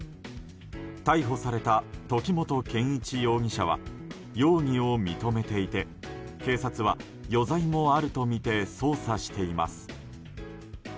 逮捕された時本健一容疑者は容疑を認めていて警察は余罪もあるとみて捜査しています。